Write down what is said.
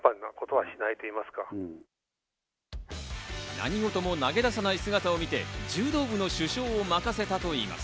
何事も投げ出さない姿を見て柔道部の主将を任せたといいます。